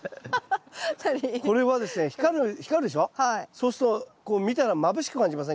そうすると見たらまぶしく感じませんか？